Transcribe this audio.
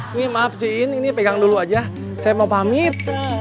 ini maaf jain ini pegang dulu aja saya mau pamit